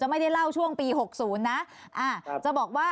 จะไม่ได้เล่าช่วงปีหกศูนย์น่ะอ่าจะบอกว่า